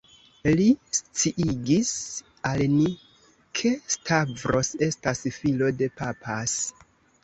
Li sciigis al ni, ke Stavros estas filo de «_papas_».